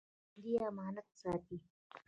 ژوندي امانت ساتي